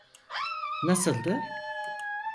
NasıIdı?